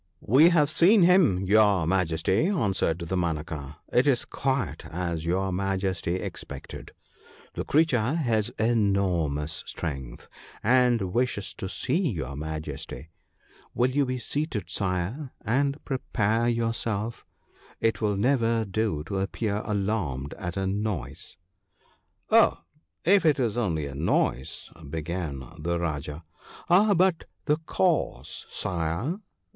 'We have seen him, your Majesty/ answered Dama naka ;' it is quite as your Majesty expected — the creature has enormous strength, and wishes to see your Majesty. Will you be seated, Sire, and prepare yourself — it will never do to appear alarmed at a noise.' ' Oh, if it was only a noise,' began the Rajah. ' Ah, but the cause, Sire